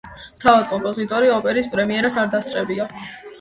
თავად კომპოზიტორი ოპერის პრემიერას არ დასწრებია.